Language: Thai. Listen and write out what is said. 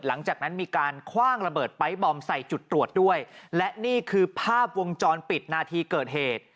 หลังจากนั้นมีการคว่างระเบิดไป๊บอมใส่จุดตรวจด้วยและนี่คือภาพวงจรปิดนาทีเกิดเหตุ